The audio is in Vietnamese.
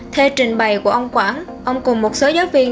theo trình bày của ông quảng ông cùng một số giáo viên